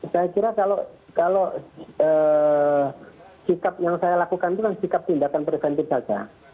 saya kira kalau sikap yang saya lakukan itu kan sikap tindakan preventif saja